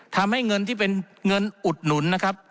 ทำให้เงินที่เป็นเงินอุดหนุนนะครับ